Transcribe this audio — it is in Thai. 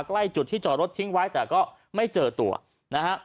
ใกล้จุดที่จอดรถทิ้งไว้แต่ก็ไม่เจอตัวนะฮะ